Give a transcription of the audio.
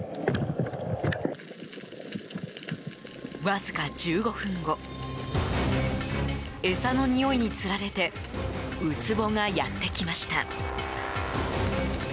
わずか１５分後餌のにおいにつられてウツボがやってきました。